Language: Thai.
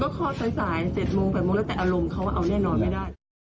ก็เคาะสาย๗๘โมงแต่อารมณ์เขาอะแน่นอนไม่ได้